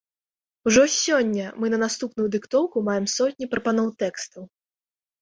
Ужо сёння мы на наступную дыктоўку маем сотні прапаноў тэкстаў!